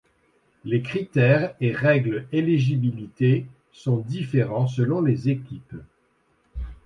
Les critères et règles éligibilités sont différents selon les équipes.